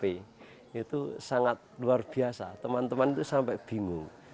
itu sangat luar biasa teman teman itu sampai bingung